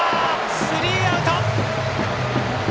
スリーアウト！